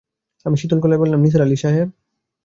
আমি শীতল গলায় বললাম, নিসার আলি সাহেব!